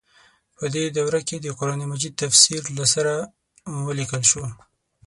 په دې دوره کې د قران مجید تفسیر له سره ولیکل شو.